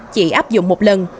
chỉ áp dụng một lần